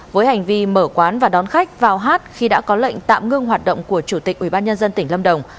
với hành vi mở quán và đón khách vào hát khi đã có lệnh tạm ngưng hoạt động của chủ tịch ubnd tỉnh lâm đồng